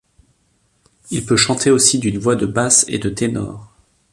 Il peut chanter aussi d'une voix de basse et de ténor.